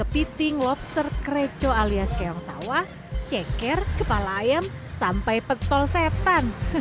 piting lobster kreco alias keong sawah ceker kepala ayam sampai petol setan